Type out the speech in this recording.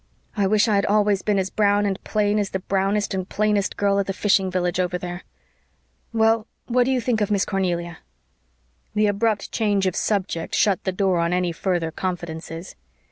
I wish I had always been as brown and plain as the brownest and plainest girl at the fishing village over there. Well, what do you think of Miss Cornelia?" The abrupt change of subject shut the door on any further confidences.